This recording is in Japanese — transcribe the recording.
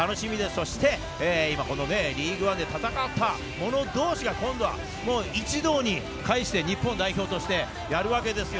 そして今、このリーグワンで戦った者同士が今度は一堂に会して、日本代表としてやるわけですよ。